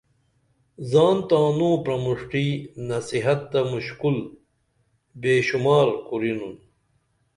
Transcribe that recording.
زان تانوں پرموشٹی نصحیت تہ مُشکُل بے شمار کُرینُن